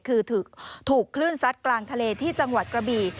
คือถูกคลื่นซัดกลางทะเลที่จังหวัดกระบี่